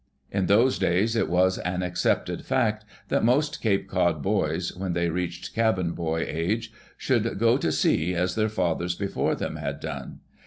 In those days it was an accepted fact that most Cape Cod boys, when they reached "cabin boy" age, should go to sea as their fathers before them had done.